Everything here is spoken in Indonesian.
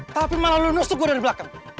tapi malah lu nyusuk gua dari belakang